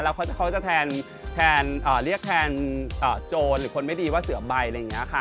แล้วเขาจะแทนเรียกแทนโจรหรือคนไม่ดีว่าเสือใบอะไรอย่างนี้ค่ะ